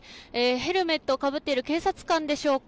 ヘルメットをかぶっている警察官でしょうか。